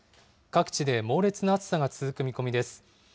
各地で猛烈な暑さが続く見込みです。